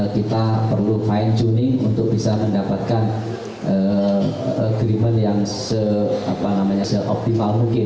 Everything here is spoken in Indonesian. kita perlu fine tuning untuk bisa mendapatkan agreement yang seoptimal mungkin